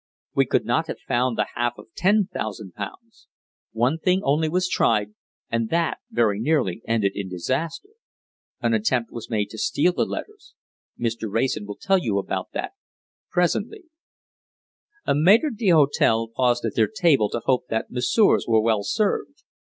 We could not have found the half of ten thousand pounds. One thing only was tried, and that very nearly ended in disaster. An attempt was made to steal the letters. Mr. Wrayson will tell you about that presently." A maître d'hôtel paused at their table to hope that messieurs were well served.